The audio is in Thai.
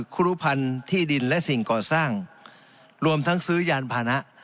ครูรุภัณฑ์ที่ดินและสิ่งก่อสร้างรวมทั้งซื้อยานพานะ